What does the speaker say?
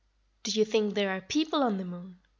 "Do you think there are people on the moon?"